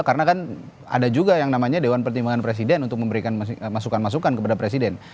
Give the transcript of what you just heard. karena kan ada juga yang namanya dewan pertimbangan presiden untuk memberikan masukan masukan kepada presiden